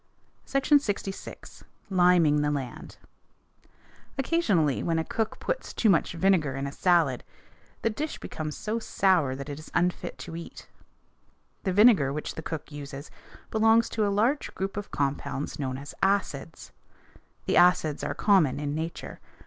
SECTION LXVI. LIMING THE LAND Occasionally, when a cook puts too much vinegar in a salad, the dish becomes so sour that it is unfit to eat. The vinegar which the cook uses belongs to a large group of compounds known as acids. The acids are common in nature.